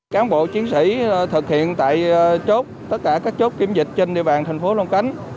cán bộ chiến sĩ thực hiện tại chốt tất cả các chốt kiểm dịch trên địa bàn thành phố long khánh